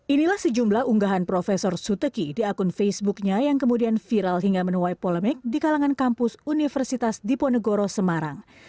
inilah sejumlah unggahan profesor suteki di akun facebooknya yang kemudian viral hingga menuai polemik di kalangan kampus universitas diponegoro semarang